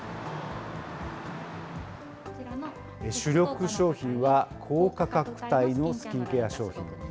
主力商品は高価格帯のスキンケア商品。